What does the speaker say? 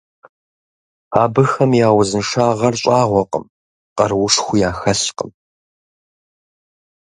Абыхэм я узыншагъэр щӀагъуэкъым, къаруушхуи яхэлъкъым.